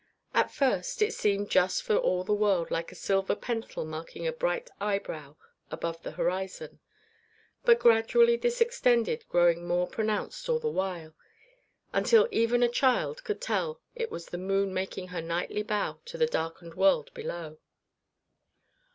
At first it seemed just for all the world like a silver pencil marking a bright eyebrow above the horizon; but gradually this extended, growing more pronounced all the while, until even a child could tell that it was the moon making her nightly bow to the darkened world below.